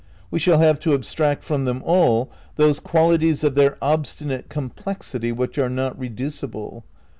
We shall have to abstract from them all those qualities of their ob stinate complexity which are not reducible.